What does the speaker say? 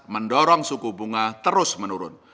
mendorong suku bunga terus menurun